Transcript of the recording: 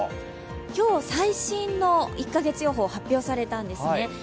今日、最新の１か月予報、発表されたんですね。